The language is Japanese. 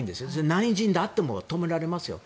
何人であっても止められますよ。